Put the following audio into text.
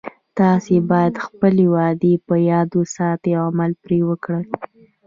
تاسې باید خپلې وعدې په یاد وساتئ او عمل پری وکړئ